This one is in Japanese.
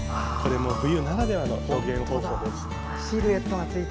これも冬ならではの表現方法です。